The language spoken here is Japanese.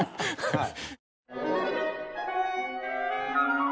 はい。